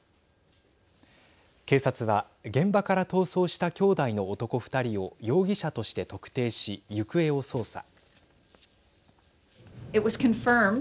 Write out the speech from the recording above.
警察は現場から逃走した兄弟の男２人を容疑者として特定し行方を捜査。